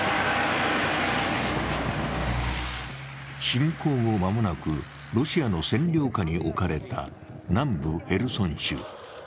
侵攻後間もなくロシアの占領下に置かれた南部ヘルソン州。